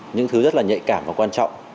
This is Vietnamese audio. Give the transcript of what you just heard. những thứ rất là nhạy cảm và quan trọng